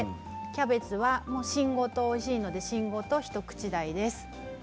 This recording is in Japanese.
キャベツは芯ごとおいしいので一口大です。